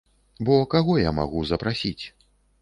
Бо каго я магу запрасіць?